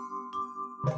terima kasih yoko